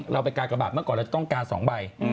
เราไปกากบาทเมื่อก่อนเราจะต้องการ๒ใบ